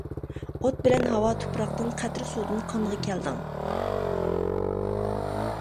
ئوت بىلەن ھاۋا تۇپراقتىن، قەترە سۇدىن قانغا كەلدىڭ.